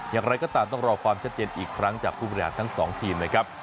อย่างไรก็ตามต้องรอความชัดเจนอีกครั้งจากผู้บริหารทั้งสองทีมนะครับ